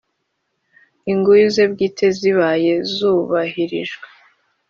inyugu ze bwite zibaye zubahirijwe,